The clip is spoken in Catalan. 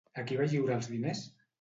A qui va lliurar els diners?